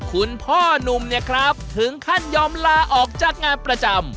คุณพ่อนุ่มเนี่ยครับถึงขั้นยอมลาออกจากงานประจำ